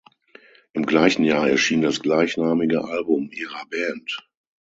Im gleichen Jahr erschien das gleichnamige Album ihrer Band.